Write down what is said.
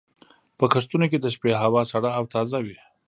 په کښتونو کې د شپې هوا سړه او تازه وي.